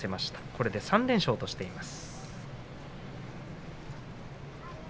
これで３連勝としています。